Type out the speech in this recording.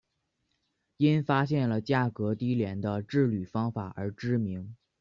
因发现了价格低廉的制铝方法而知名。